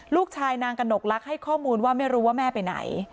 ลูกชายนางกระหนกลักษณ์ให้ข้อมูลว่าไม่รู้ว่าแม่ไปไหน